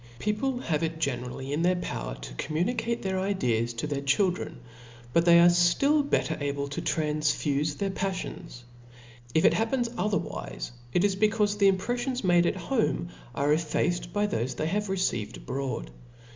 People have k generally in their power fo com municate their, ideas to their children j but they ^ ftill better able to transfufe their paflions. If it happens otherwife, it is becaufe the im prelTions ipade at home are effaced by thofc they have received abroad.